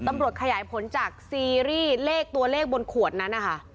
ตำรวจขยายผลจากซีรีส์เลขตัวเลขบนขวดนั้น